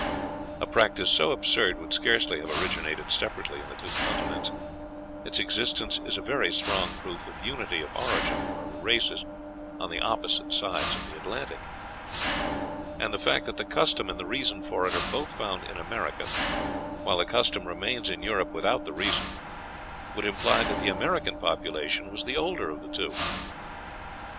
A practice so absurd could scarcely have originated separately in the two continents; its existence is a very strong proof of unity of origin of the races on the opposite sides of the Atlantic; and the fact that the custom and the reason for it are both found in America, while the custom remains in Europe without the reason, would imply that the American population was the older of the two.